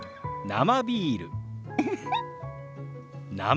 生ビール。